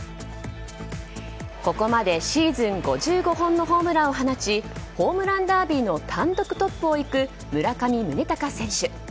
ここまでシーズン５５本のホームランを放ちホームランダービーの単独トップをいく村上宗隆選手。